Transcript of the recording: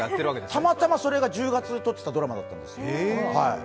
たまたまそれが１０月、撮ってたドラマだったんです。